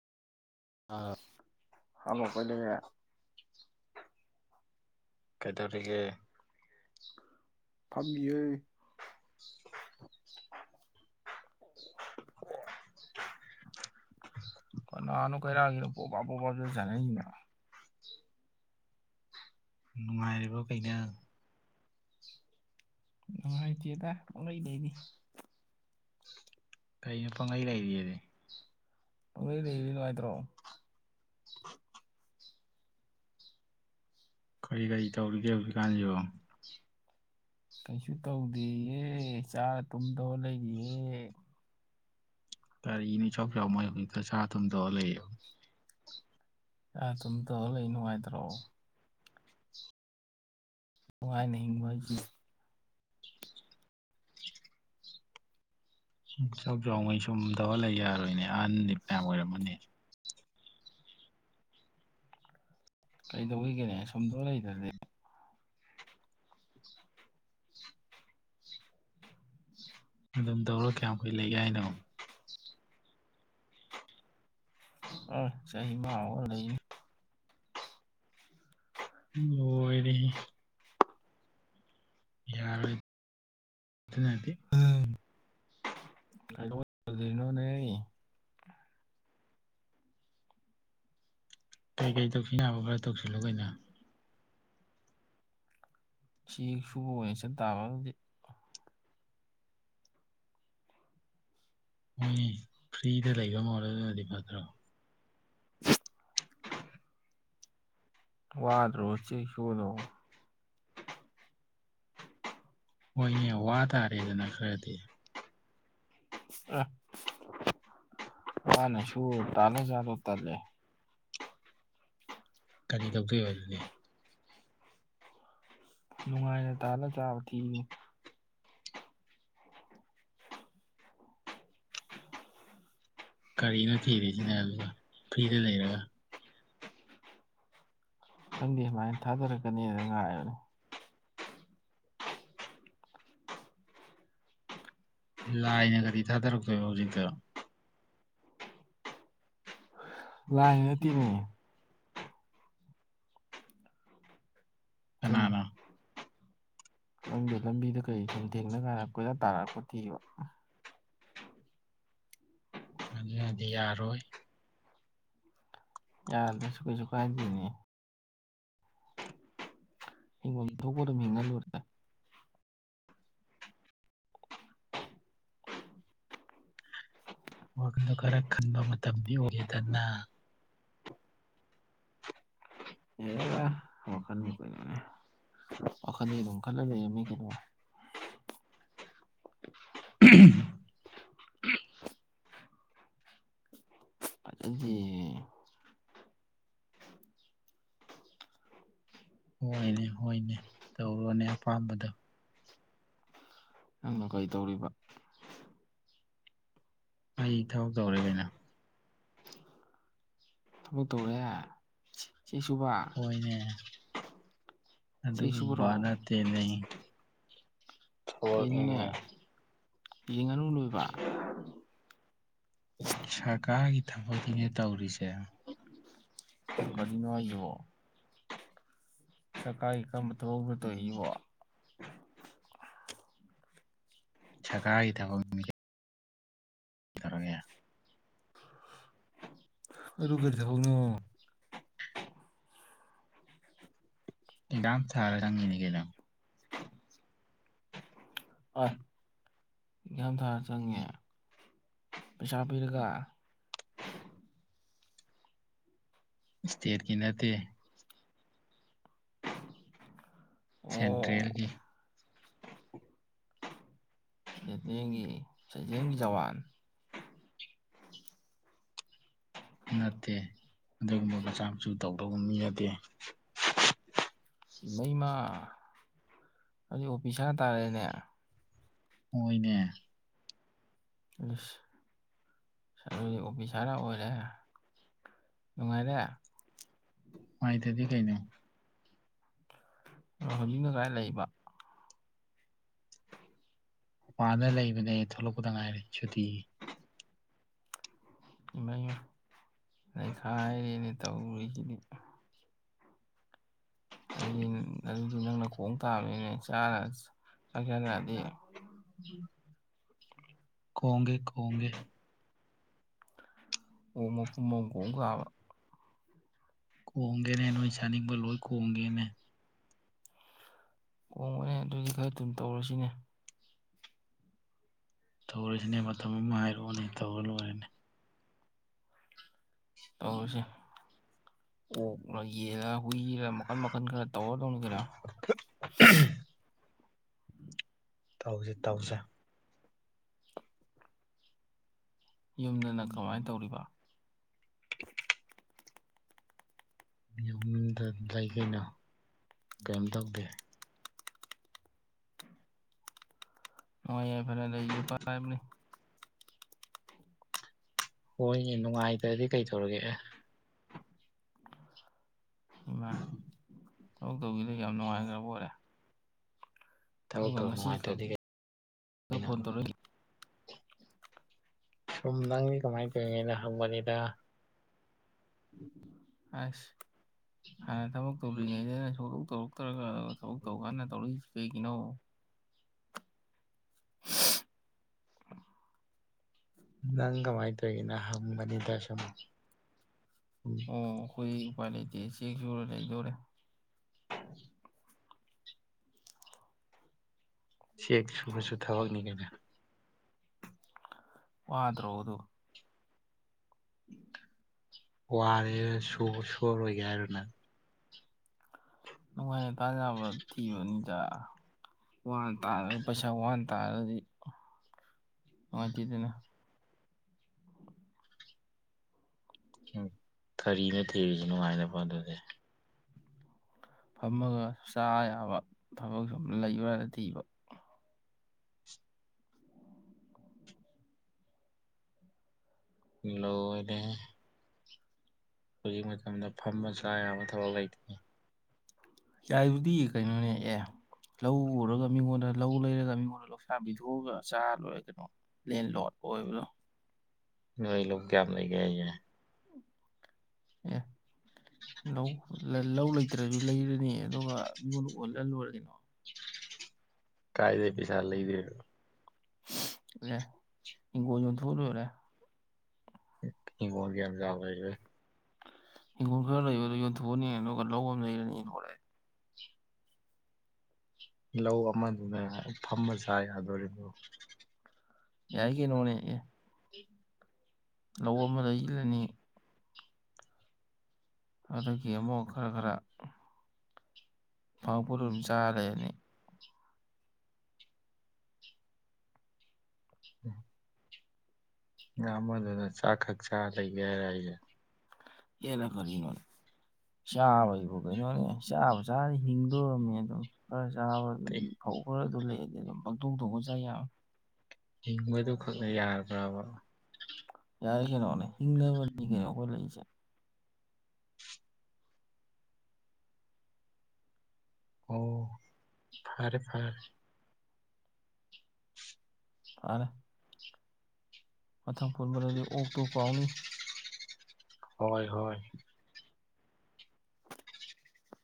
ꯑꯥ [unintelligible] ꯀꯩꯗꯧꯔꯤꯒ‌ꯦ [unintelligible] [unintelligible] ꯀꯅꯥꯅ‌ꯣ ꯀꯩꯔꯒꯤꯅ‌ꯣ ꯄꯣꯕꯥ ꯄꯣꯕꯥ ꯗꯨꯝ ꯁꯟꯅꯩꯁꯤꯅ ꯅꯨꯡꯉꯥꯏꯔꯤꯕ ꯀꯩꯅ‌ꯣ [unintelligible] [inaudible] ꯀꯩꯅ‌ꯣ ꯄꯪꯂꯩ ꯂꯩꯔꯤꯌ‌ꯦ [unintelligible] ꯀꯔꯤ ꯀꯔꯤ ꯇꯧꯔꯤꯒꯦ ꯍꯧꯖꯤꯛꯀꯥꯟꯁꯤꯕꯨ ꯀꯩꯁꯨ ꯇꯧꯗꯦꯌꯦ ꯆꯥꯔ ꯇꯨꯝꯗꯧ ꯂꯩꯔꯤꯌꯦ ꯀꯔꯤꯅꯤ ꯏꯆꯥꯎ ꯆꯥꯎꯃꯩ ꯍꯧꯖꯤꯛꯇ ꯆꯥ ꯇꯧꯂꯩꯌꯨ ꯅꯨꯡꯉꯥꯏꯅ ꯍꯤꯡꯕ ꯍꯥꯏꯁꯤ ꯁꯤꯅꯤ ꯏꯆꯥꯎ ꯆꯥꯎꯉꯩ ꯁꯨꯝ ꯊꯧꯔꯂꯩ ꯌꯥꯔꯣꯏꯅꯦ ꯑꯍꯟꯗꯤ ꯐꯅꯌꯥꯝ ꯑꯣꯏꯔꯝꯃꯅꯤ ꯀꯩꯗꯧꯏꯒꯦ ꯁꯨꯝ ꯇꯧꯔ ꯂꯩꯗ꯭ꯔꯗꯤ [unintelligible] ꯑꯗꯨꯝ ꯇꯧꯔ ꯀꯌꯥꯝꯀꯨꯏ ꯂꯩꯒꯦ ꯍꯥꯏꯅꯣ [unintelligible] ꯂꯣꯏꯔꯦꯍꯦ ꯌꯥꯔꯣꯏ ꯑꯗꯨꯅꯗꯤ ꯀꯩꯗꯧꯅꯣꯅꯦ ꯀꯩꯀꯩ ꯇꯧꯁꯤ ꯌꯥꯕ ꯈꯔ ꯇꯧꯁꯤꯜꯂꯣ ꯀꯩꯅꯣ ꯆꯦꯛ ꯁꯨꯕ ꯑꯣꯏꯅ ꯆꯠ ꯇꯥꯕ ꯑꯗꯨꯗꯤ ꯎꯝ ꯐ꯭ꯔꯤꯗ ꯂꯩꯕꯃꯍꯨꯠ ꯑꯗꯨꯅꯗꯤ ꯐꯠꯇ꯭ꯔꯣ [unintelligible] ꯋꯥꯗ꯭ꯔꯣ ꯆꯦꯛꯁꯨꯗꯣ [unintelligible] ꯍꯣꯏꯅꯦ ꯋꯥ ꯇꯥꯔꯦꯗꯅ ꯈꯔꯗꯤ ꯑ ꯃꯥꯅꯁꯨ ꯇꯥꯅꯖꯦ ꯍꯥꯏꯕꯗꯨ ꯇꯜꯂꯦ ꯀꯔꯤ ꯇꯧꯗꯣꯏꯕ ꯑꯗꯨꯗꯤ ꯅꯨꯡꯉꯥꯏꯅ ꯇꯥꯜꯂ ꯆꯥꯕ ꯊꯤꯔꯤꯅꯤ ꯀꯔꯤꯅꯣ ꯊꯤꯔꯤꯁꯤꯅ ꯑꯗꯨꯗꯤ ꯐ꯭ꯔꯤꯗ ꯂꯩꯔꯒ ꯈꯪꯗꯦ ꯂꯥꯏꯅ ꯊꯥꯗꯔꯛꯀꯅꯤꯅ ꯉꯥꯏꯔꯤꯕꯅꯤ ꯂꯥꯏꯅꯒꯗꯤ ꯊꯥꯗꯔꯛꯇꯣꯏꯕ ꯍꯧꯖꯤꯛꯇ ꯂꯥꯏꯅ ꯅꯠꯇꯦꯅꯦ ꯀꯅꯥꯅ ꯈꯪꯗ ꯂꯝꯕꯤꯗ ꯀꯩ ꯁꯨꯝꯊꯦꯡꯅꯕ ꯀꯣꯏꯇ ꯇꯥꯔꯛꯛꯄ ꯊꯤꯕ ꯑꯗꯨꯅꯗꯤ ꯌꯥꯔꯣꯏ ꯌꯥꯗ꯭ꯔꯁꯨ ꯀꯩꯁꯨ ꯀꯥꯏꯗꯤꯅꯦ [unintelligible] ꯑꯗꯨ ꯈꯔ ꯈꯟꯕ ꯃꯇꯝꯗꯤ ꯑꯣꯏꯒꯦꯗꯅ ꯑꯦꯔ ꯋꯥꯈꯜꯕꯨ ꯀꯅꯦ ꯋꯥꯈꯜꯗꯤ ꯑꯗꯨꯝ ꯈꯜꯂ ꯂꯩꯃꯤ ꯀꯩꯅꯣ ꯎ ꯑꯗꯨꯗꯤ ꯎꯝ ꯑꯩꯅ ꯑꯄꯥꯝꯕꯗ ꯅꯪꯅ ꯀꯩꯗꯧꯔꯤꯕ [unintelligible] ꯊꯕꯛ ꯇꯧꯔꯦ ꯆꯦ ꯁꯨꯕ ꯁꯤ [unintelligible] ꯀꯩꯅꯣꯅꯦ ꯌꯦꯡꯉꯅꯨ ꯂꯣꯏꯕ ꯁꯔꯀꯥꯔꯒꯤ ꯊꯕꯛꯇꯅꯦ ꯇꯧꯔꯤꯁꯦ ꯀꯔꯤꯅꯣ ꯍꯥꯢꯖꯤꯕꯣ ꯁꯔꯀꯥꯔꯒꯤ ꯀꯔꯝꯕ ꯊꯕꯛꯅꯣ ꯇꯩꯔꯤꯕꯣ ꯁꯔꯀꯥꯔꯒꯤ ꯊꯕꯛꯅꯦ ꯑꯔꯨꯒ ꯊꯕꯛꯅꯣ ꯑꯦꯛꯖꯥꯝ ꯊꯥꯒꯗꯕ ꯑ ꯌꯥꯝ ꯊꯥꯔ ꯆꯪꯉꯦ ꯄꯩꯁꯥ ꯄꯤꯔꯒ ꯏꯁꯇꯦꯠ ꯀ ꯅꯠꯇ ꯁꯦꯟꯇ꯭ꯔꯦꯜꯒꯤ ꯆꯖꯦꯡꯒꯤ ꯆꯖꯦꯡꯒꯤ ꯖꯋꯥꯟ ꯎ ꯃꯣꯏ ꯃꯆꯥ ꯃꯁꯨ ꯇꯧꯗꯕ ꯃꯤ ꯅꯠꯇꯦ ꯃꯩꯃ ꯑꯗꯨꯗꯤ ꯑꯣꯐꯤꯁ ꯍꯥꯏꯥꯟꯅ ꯇꯥꯔꯛꯑꯦꯅꯦ ꯍꯣꯏꯅꯦ ꯗꯤ ꯑꯣꯐꯤꯁꯥꯔ ꯑꯣꯏꯔꯦ ꯅꯨꯡꯉꯥꯏꯔꯦ ꯃꯥꯏꯇꯗꯤ ꯀꯩꯩꯅꯣ ꯑ ꯍꯧꯖꯤꯛꯅ ꯀꯥꯏ ꯂꯩꯕ ꯋꯥꯅ ꯂꯩꯕꯅꯦ ꯊꯣꯛꯂꯛꯄꯗ ꯉꯥꯏꯔꯦ ꯁꯨꯇꯤ ꯏꯃꯩ ꯂꯩꯈꯥꯏꯔꯦꯅꯦ ꯇꯧꯔꯤꯁꯤꯗꯤ ꯑꯗꯨꯗꯤ ꯑꯗꯨꯗꯤ ꯅꯪꯅ ꯈꯣꯡ ꯇꯥꯕꯅꯤꯅꯦ ꯆꯥꯛꯁꯤꯜꯂꯛꯑꯗꯤ ꯈꯣꯡꯒꯦ ꯈꯣꯡꯒꯦ ꯑꯣꯃ ꯄꯨꯨꯝꯃꯒꯣꯡ ꯀꯥꯕ ꯍ ꯅꯣꯏ ꯁꯥꯅꯤꯡꯕ ꯂꯣꯏ ꯈꯣꯡꯒꯦꯅꯦ ꯍꯣꯡꯕꯅꯦ ꯑꯗꯨꯗꯤ ꯈꯔ ꯑꯗꯨꯝ ꯇꯧꯔꯁꯤꯅꯦ ꯇꯧꯔꯤꯁꯤꯅꯦ ꯃꯇꯝ ꯑꯃ ꯍꯥꯏꯔꯛꯑꯣꯅꯦ꯫ ꯇꯧꯔꯥ ꯂꯣꯏꯔꯦꯅꯦ꯫ ꯇꯧꯔꯨꯁꯦ ꯑꯣꯛꯂ ꯌꯦꯜꯂ ꯍꯨꯏꯔ ꯃꯈꯟ- ꯃꯈꯟ ꯈꯔ ꯇꯧꯔꯗꯧꯅꯤ ꯀꯩꯅꯣ ꯫ [unintelligible] ꯇꯧꯁꯦ- ꯇꯧꯁꯦ꯫ ꯌꯨꯝꯗꯅ ꯀꯃꯥꯏꯅ ꯇꯧꯔꯤꯕ? ꯌꯨꯝꯗ ꯂꯩ ꯀꯩꯅꯣ ꯀꯩꯝ ꯇꯧꯗꯦ꯫ ꯅꯨꯡꯉꯥꯏ ꯌꯥꯏꯐꯅ [unintelligible] ꯍꯥꯏꯕꯅꯤ꯫ ꯍꯣꯏꯌꯦ ꯅꯨꯡꯉꯥꯏꯇ꯭ꯔꯗꯤ ꯀꯩꯗꯧꯔꯒꯦ ꯑꯦ꯫ ꯏꯃꯥ! ꯊꯕꯛ ꯇꯧꯒꯤꯗꯒꯤ ꯌꯥꯝ ꯅꯨꯡꯉꯥꯏꯈ꯭ꯔꯕ ꯑꯣꯏꯔꯦ꯫ ꯊꯕꯛ ꯇꯧ ꯅꯨꯡꯉꯥꯏꯇꯗꯤ ꯀꯔꯤꯅꯣ꯫ [unintelligible] ꯁꯨꯝ ꯅꯪꯗꯤ ꯀꯃꯥꯏꯅ ꯇꯧꯔꯤꯉꯗ ꯍꯪꯕꯅꯤꯗ꯫ ꯑꯁ꯫ ꯍꯥꯟꯅ ꯊꯕꯛ ꯇꯧꯗ꯭ꯔꯤꯉꯩꯗ ꯁꯣꯛꯂꯣꯛ ꯇꯧꯔꯛꯇ꯭ꯔꯒ ꯊꯕꯛ ꯇꯧꯀꯥꯟꯗ ꯇꯧꯔꯛꯏꯁꯤ꯫ ꯏꯅꯧ [inaudible] ꯅꯪ ꯀꯃꯥꯏ ꯇꯧꯔꯤꯒꯦꯅ ꯍꯪꯕꯅꯤꯗ ꯁꯨꯝ ꯫ ꯑꯣ ꯑꯩꯈꯣꯏ ꯎꯄꯥꯏ ꯂꯩꯇꯦ ꯆꯦꯛ ꯁꯨꯔ ꯂꯩꯗꯣꯔꯦ꯫ ꯆꯦꯛ ꯁꯨꯕꯁꯨ ꯊꯕꯛꯅꯤ ꯀꯩꯅ꯫ ꯋꯥꯗ꯭ꯔꯣꯗꯨ? ꯋꯥꯔꯦ ꯁꯨꯕ [unintelligible] [unintelligible] ꯅꯨꯡꯉꯥꯏꯅ ꯇꯥꯟ ꯌꯥꯕ ꯊꯤꯕꯅꯤꯗ꯫ ꯋꯥꯅ ꯇꯥꯜꯂꯗꯤ ꯄꯩꯁꯥ ꯋꯥꯅ ꯇꯥꯜꯂꯗꯤ꯫ ꯅꯨꯉꯥꯏꯇꯦꯗꯅ꯫ ꯎꯝ꯫ ꯀꯔꯤꯅꯤ ꯊꯦꯔꯤꯁꯤ ꯅꯨꯡꯉꯥꯏꯅꯕ ꯑꯗꯨꯗꯤ? [unintelligible] ꯐꯝꯃꯒ ꯇꯥꯏ ꯍꯥꯏꯕ ꯫ ꯊꯕꯛ ꯁꯨꯝ ꯂꯩꯕ꯭ꯔꯥꯅ ꯊꯤꯕ꯫ ꯂꯣꯢꯔꯦꯍꯦ ꯍꯧꯖꯤꯛ ꯃꯇꯝꯗ ꯐꯝꯃ ꯆꯥ ꯌꯥꯕ ꯊꯕꯛ ꯂꯩꯇꯦ ꯌꯥꯏꯕꯨꯗꯤ ꯀꯩꯅꯣꯅꯦ ꯑꯦ ꯂꯧ ꯎꯔꯒ ꯃꯤꯉꯣꯟꯗ ꯂꯧ ꯂꯩꯔꯒ ꯃꯤꯉꯣꯟꯗ ꯂꯧꯁꯥꯟ ꯄꯤꯊꯣꯛꯑꯒ ꯆꯥ ꯂꯣꯔꯦ ꯀꯩꯅꯣ ꯂꯦꯟ ꯂꯣꯠ ꯑꯣꯏꯕꯗꯣ ꯑꯦ ꯂꯧ ꯂꯧ ꯂꯩꯇ꯭ꯔꯁꯨ ꯂꯩꯔꯅꯤ ꯑꯗꯨꯒ ꯑꯣꯍꯜ ꯂꯣꯏꯔꯦ ꯀꯩꯅꯣ ꯀꯥꯏꯗꯩ ꯄꯩꯁꯥ ꯂꯩꯗꯣꯢꯕ ꯑꯦ ꯍꯤꯡꯒꯣꯜ ꯌꯣꯟꯊꯣꯛꯑ ꯂꯣꯢꯔꯦ ꯍꯤꯡꯒꯣꯜ ꯀꯥꯌꯥꯝ ꯆꯥꯎꯒꯦ ꯍꯥꯏꯖꯦ ꯍꯤꯡꯒꯣꯜ ꯈꯔ ꯂꯩꯕꯗꯣ ꯌꯣꯟꯊꯣꯛ ꯑꯅꯤ ꯑꯗꯨꯒ ꯂꯧ ꯑꯃ ꯂꯩꯔꯅꯤ ꯂꯧ ꯑꯃꯗꯨꯅꯥ ꯐꯝꯃ ꯆ ꯌꯥꯗꯣꯔꯤꯕꯣ [inaudible] ꯂꯧ ꯑꯃ ꯂꯩꯔꯅꯤ ꯑꯗꯒꯤ ꯑꯃꯨꯛ ꯈꯔ ꯈꯔ ꯐꯥꯡꯉꯛ ꯄꯣꯠꯇꯣ ꯑꯗꯨꯝ ꯆꯥ ꯂꯩꯔꯅꯤ [inaudible] ꯉꯥ ꯑꯃꯗꯅ ꯆꯥꯛꯈꯛ ꯁꯥ ꯂꯩꯒꯦ ꯍꯥꯏꯔ ꯑꯩꯁꯦ ꯑꯦꯔ ꯀꯔꯤꯅꯣꯅꯦ ꯆꯥꯕꯒꯤꯕꯨ ꯀꯩꯅꯣꯅꯦ ꯆꯥꯕꯨ ꯆꯥꯔꯗꯤ ꯍꯤꯡꯗꯣꯔꯝꯃꯦ ꯑꯗꯨꯝ ꯈꯔ ꯆꯥꯕꯗꯤ ꯐꯧ ꯈꯔ ꯑꯗꯨ ꯂꯩꯑꯗꯤ ꯑꯗꯨꯝ ꯄꯪꯊꯣꯡ ꯊꯣꯡꯉꯥ ꯆ ꯌꯥꯕꯅꯦ ꯌꯥꯔꯕ꯭ꯔꯥꯕ ꯌꯥꯔꯦ ꯀꯩꯅꯣꯅꯦ ꯍꯤꯡꯅꯕꯅꯤ ꯀꯩꯅꯣ ꯑꯩꯈꯣꯏ ꯂꯩꯁꯦ ꯑꯣ ꯐꯔꯦ ꯐꯔꯦ [unintelligible] ꯐꯔꯦ ꯃꯊꯪ ꯄꯨꯟꯕꯗꯗꯤ ꯑꯣꯛꯇꯨ ꯀꯥꯎꯅꯤ [unintelligible]